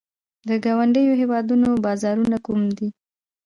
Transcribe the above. د ګاونډیو هیوادونو بازارونه کوم دي؟